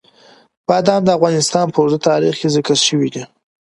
بادام د افغانستان په اوږده تاریخ کې ذکر شوی دی.